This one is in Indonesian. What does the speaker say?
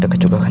deket juga kan